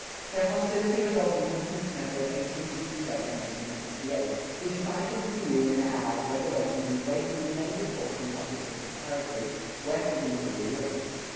Their hostility resulted in the peace measure of 1867 and 1868, which assigned to the Sioux and their allies reservations embracing the major portion of Dakota territory, west of the Missouri River.